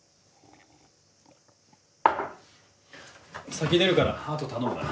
先出るからあと頼むな。